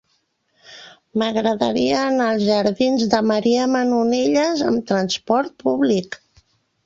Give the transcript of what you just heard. M'agradaria anar als jardins de Maria Manonelles amb trasport públic.